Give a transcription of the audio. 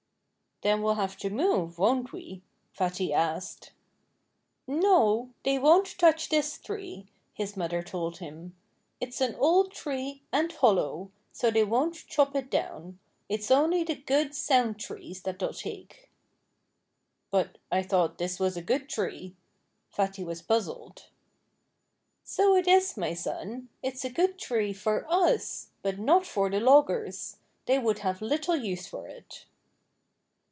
"Then we'll have to move, won't we?" Fatty asked. "No! They won't touch this tree," his mother told him. "It's an old tree, and hollow so they won't chop it down. It's only the good sound trees that they'll take." "But I thought this was a good tree." Fatty was puzzled. "So it is, my son! It's a good tree for us. But not for the loggers. They would have little use for it."